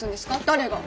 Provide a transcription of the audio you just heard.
誰が？